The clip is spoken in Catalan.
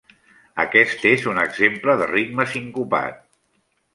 Aquest és un exemple de ritme sincopat.